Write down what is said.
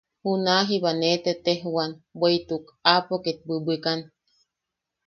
Junaʼa jiba nee tetejwan bweʼituk aapo ket bwibwikan.